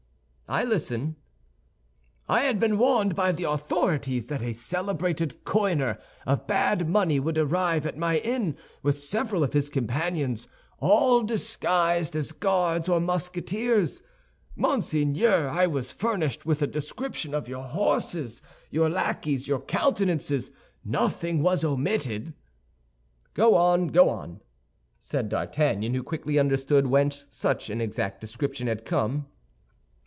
"I listen." "I had been warned by the authorities that a celebrated coiner of bad money would arrive at my inn, with several of his companions, all disguised as Guards or Musketeers. Monseigneur, I was furnished with a description of your horses, your lackeys, your countenances—nothing was omitted." "Go on, go on!" said D'Artagnan, who quickly understood whence such an exact description had come.